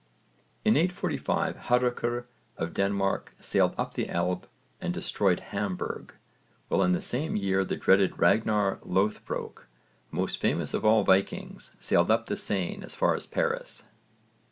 infra_, p. 66). In 845 Hárekr of Denmark sailed up the Elbe and destroyed Hamburg, while in the same year the dreaded Ragnarr Loðbrók, most famous of all Vikings, sailed up the Seine as far as Paris.